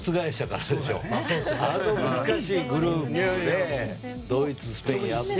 あの難しいグループでドイツ、スペインを。